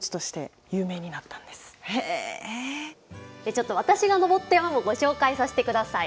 ちょっと私が登った山もご紹介させてください。